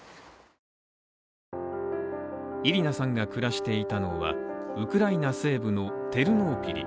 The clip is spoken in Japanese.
イリナさんが暮らしていたのは、ウクライナ西部のテルノーピリ